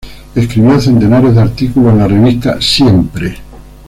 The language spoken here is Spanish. Escribió centenares de artículos en la revista "Siempre!